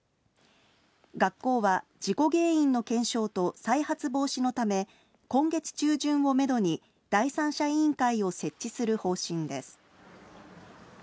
学校は事故原因の検証と再発防止のため、今月中旬をメドに、第三者委員会を設置する方針です。